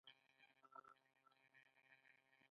دوی ژوبڼونه او پارکونه لري.